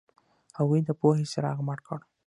هغوی د پوهې څراغ مړ کړ.